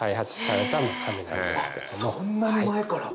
そんなに前から！